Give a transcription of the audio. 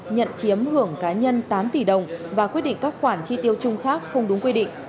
nhận chiếm hưởng cá nhân tám tỷ đồng và quyết định các khoản chi tiêu chung khác không đúng quy định